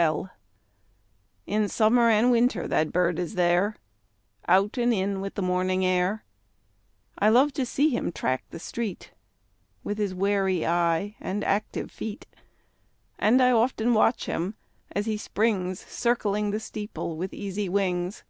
B I li (88) In summer and winter that bird is there, Out and in with the morning air : I love to see him track the street, Witli his wary eye and active feet ; And 1 often watch him as he springs. Circling the steeple with easy wings.